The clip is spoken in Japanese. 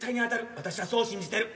私はそう信じてる。